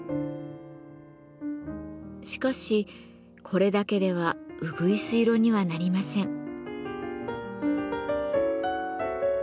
しかしこれだけではうぐいす色にはなりません。